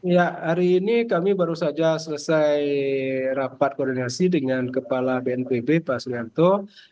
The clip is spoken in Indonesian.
ya hari ini kami baru saja selesai rapat koordinasi dengan kepala bnpb pak sulianto